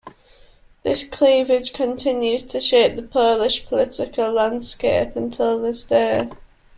This cleavage continues to shape the Polish political landscape until this day.